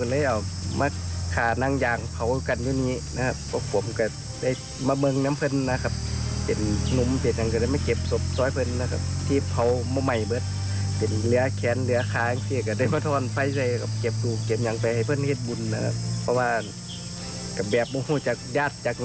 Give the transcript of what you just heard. และก็เรียกว่าแบบบุคคลุมภูมิจากนั้นที่พวกมันเอามา